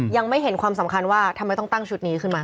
ยังไม่เห็นความสำคัญว่าทำไมต้องตั้งชุดนี้ขึ้นมา